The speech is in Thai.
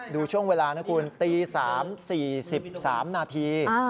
ดูช่วงเวลานะคุณตี๓๔๓นาที